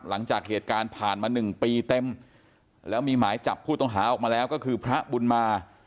หลังจากเหตุการณ์ผ่านมา๑ปีเต็มแล้วมีหมายจับผู้ต้องหาออกมาแล้วก็คือพระบุญมา